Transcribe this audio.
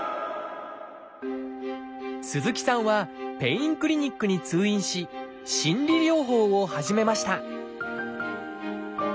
鈴木さんはペインクリニックに通院し「心理療法」を始めました